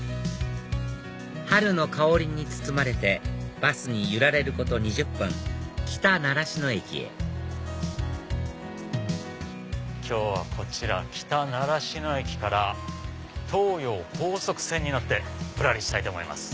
春の香りに包まれてバスに揺られること２０分北習志野駅へ今日はこちら北習志野駅から東葉高速線に乗ってぶらりしたいと思います。